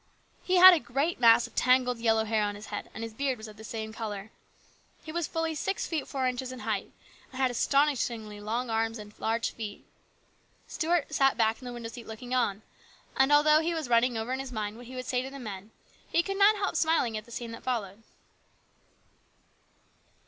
He had a great mass of tangled yellow hair on his head, and his beard was of the same colour. He was fully six feet four inches in height, and had astonishingly long arms and large feet. Stuart sat back in the window seat looking on r and although he was running over in his mind w r hat LARGE RESPONSIBILITIES. 47 he would say to the men, he could not help smiling at the scene that followed.